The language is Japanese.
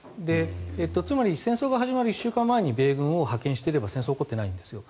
つまり、戦争が始まる１週間前に米軍を派遣していれば戦争は起こってないんです。